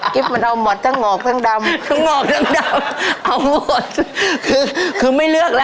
กิ๊บมันเอาหมดทั้งหงอกทั้งดำ